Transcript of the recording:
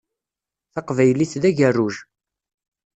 Taqbaylit d agerruj.